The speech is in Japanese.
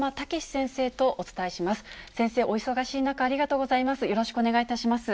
先生、お忙しい中、ありがとうございます。